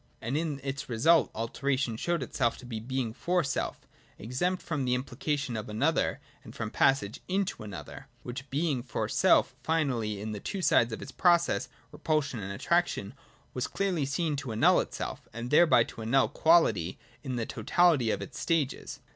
And in its result Alteration showed itself to be Being for self, exempt from implication of another and from passage into another ;— which Being for self, finally, in the two sides of its process. Repulsion and Attraction, was clearly seen to annul itself, and thereby to annul quality in the totahty of its stages.